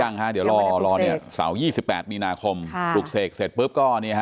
ยังฮะเดี๋ยวรอเนี่ยเสาร์๒๘มีนาคมปลูกเสกเสร็จปุ๊บก็เนี่ยฮะ